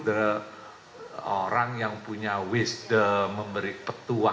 karena kaya dulu orang yang punya wish memberi petua